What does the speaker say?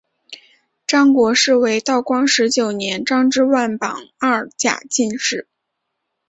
张国士为道光十九年张之万榜二甲进士。